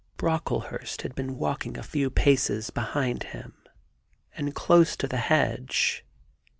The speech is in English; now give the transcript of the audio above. ... Brocklehurst had been walking a few paces behind him, and close to the hedge.